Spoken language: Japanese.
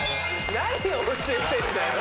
何を教えてんだよ！